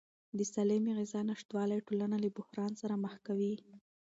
د سالمې غذا نشتوالی ټولنه له بحران سره مخ کوي.